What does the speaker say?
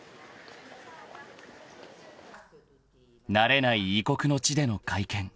［慣れない異国の地での会見］